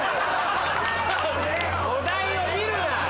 お題を見るな！